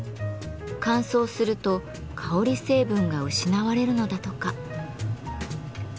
乾燥すると香り成分が失われるのだとか。